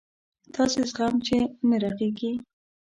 داسې زخم چې نه رغېږي.